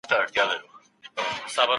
ما ليکنه کړې ده.